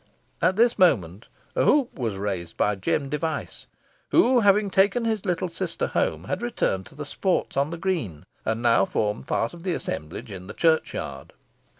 At this moment a whoop was raised by Jem Device, who, having taken his little sister home, had returned to the sports on the green, and now formed part of the assemblage in the churchyard.